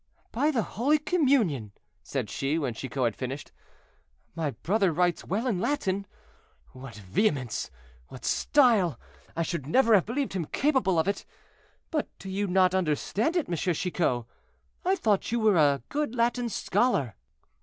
"By the Holy Communion," said she, when Chicot had finished, "my brother writes well in Latin! What vehemence! what style! I should never have believed him capable of it. But do you not understand it, M. Chicot? I thought you were a good Latin scholar."